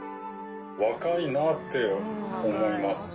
若いなって思います。